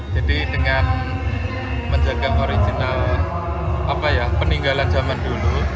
jadi dengan menjaga original peninggalan zaman dulu